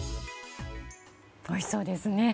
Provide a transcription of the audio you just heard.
おいしそうですね。